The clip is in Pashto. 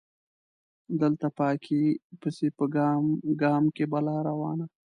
دلته پاکۍ پسې په ګام ګام کې بلا روانه